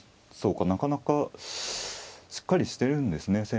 そうかなかなかしっかりしてるんですね